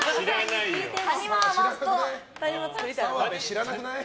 知らなくない？